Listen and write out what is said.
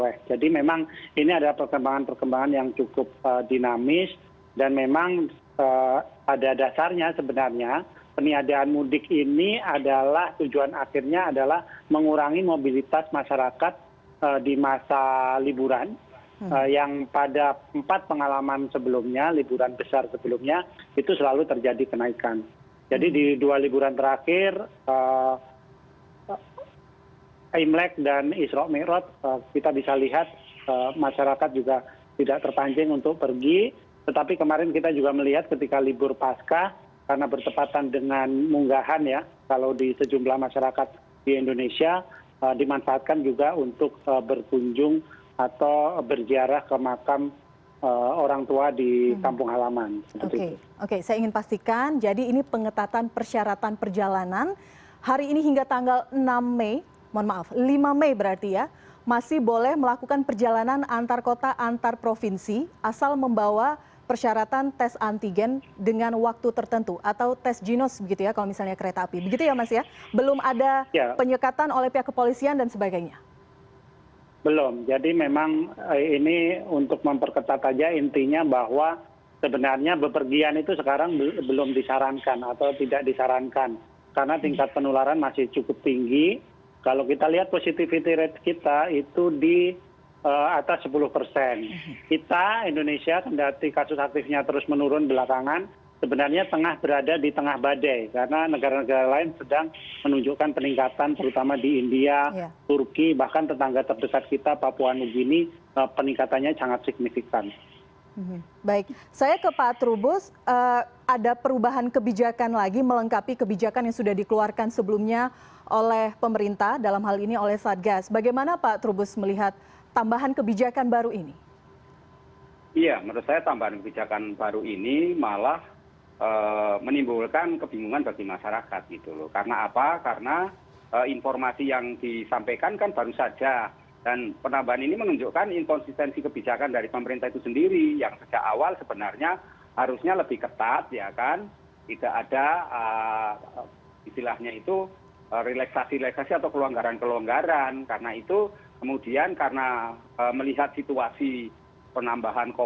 habis habis bulan perawai jadi memang ini adalah perkembangan perkembangan yang cukup dinamis dan memang ada dasarnya sebenarnya peniadaan mudik ini adalah tujuan akhirnya adalah mengurangi mobilitas masyarakat di masa liburan